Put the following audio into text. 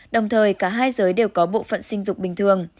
đồng thời cả hai giới đều có bộ phận sinh dục bình thường